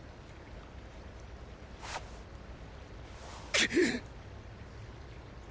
くっ。